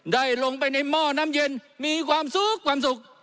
ได้ลงไปในหม้อน้ำเย็นมีความสุขความสุข